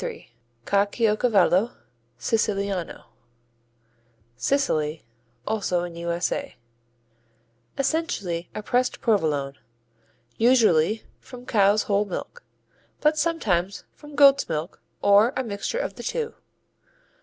Caciocavallo Siciliano Sicily, also in U.S.A. Essentially a pressed Provolone. Usually from cow's whole milk, but sometimes from goat's milk or a mixture of the two.